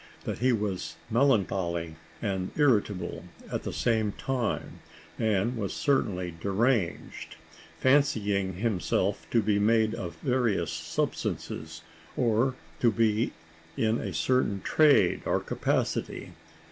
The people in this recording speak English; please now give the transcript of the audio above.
That he was melancholy and irritable at the same time, and was certainly deranged, fancying himself to be made of various substances, or to be in a certain trade or capacity.